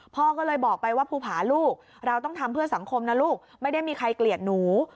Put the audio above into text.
พ่อก็เลยบอกไปว่าภูผาลูกเราต้องทำเพื่อสังคมนะลูกไม่ได้มีใครเกลียดหนู